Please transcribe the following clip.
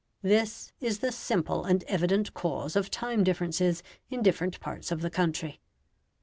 This is the simple and evident cause of time differences in different parts of the country.